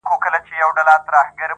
رسېدلی د لېوه په ځان بلاوو!!